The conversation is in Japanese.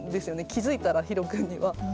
気付いたらひろ君には。